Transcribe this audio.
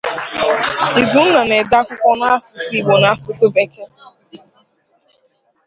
Izunna na-ede akwụkwọ n'asụsụ Igbo na n'asụsụ bekee